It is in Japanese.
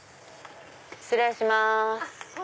失礼します。